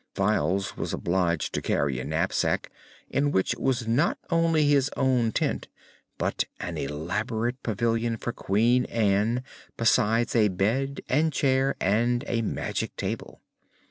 Files was obliged to carry a knapsack, in which was not only his own tent but an elaborate pavilion for Queen Ann, besides a bed and chair and a magic table.